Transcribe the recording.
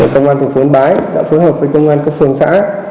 công an tỉnh yên bái đã phối hợp với công an các phường xã